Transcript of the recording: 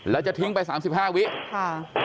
แล้วจะทิ้งไปสามสิบห้าวิค่ะ